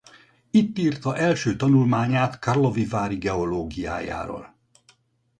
Itt írta első tanulmányát Karlovy Vary geológiájáról.